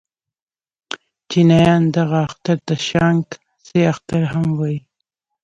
چينایان دغه اختر ته شانګ سه اختر هم وايي.